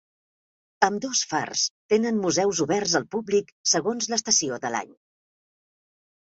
Ambdós fars tenen museus oberts al públic segons l'estació de l'any.